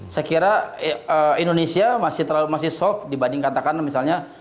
saya kira indonesia masih terlalu masih soft dibanding katakan misalnya